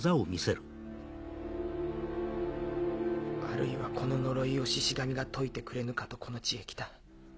あるいはこの呪いをシシ神が解いてくれぬかとこの地へ来た。